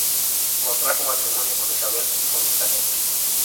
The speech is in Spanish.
Contrajo matrimonio con Isabel Fontanet.